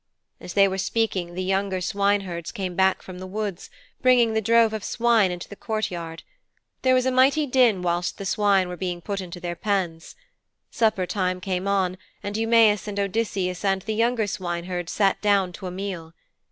As they were speaking the younger swineherds came back from the woods, bringing the drove of swine into the courtyard. There was a mighty din whilst the swine were being put into their pens. Supper time came on, and Eumæus and Odysseus and the younger swineherds sat down to a meal.